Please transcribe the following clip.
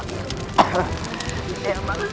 terus siram lagi